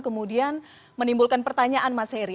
kemudian menimbulkan pertanyaan mas heri